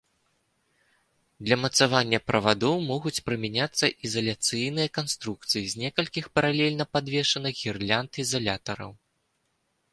Для мацавання правадоў могуць прымяняцца ізаляцыйныя канструкцыі з некалькіх паралельна падвешаных гірлянд ізалятараў.